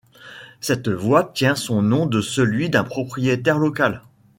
Cette voie tient son nom de celui d'un propriétaire local.